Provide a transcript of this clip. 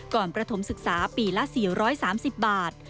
ประถมศึกษาปีละ๔๓๐บาท